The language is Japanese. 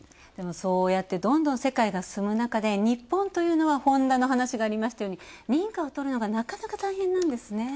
そうやって世界がどんどん進む中で日本というのはホンダの話がありましたように、認可を取るのがなかなか大変なんですね。